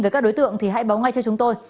về các đối tượng thì hãy báo ngay cho chúng tôi